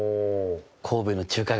神戸の中華街。